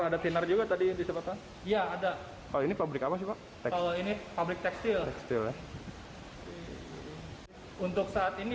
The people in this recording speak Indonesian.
pas kejadian ada orang nggak sih pak